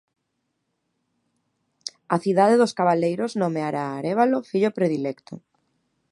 A cidade dos cabaleiros nomeará a Arévalo fillo predilecto.